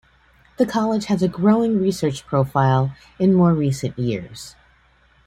The College has a growing research profile in more recent years.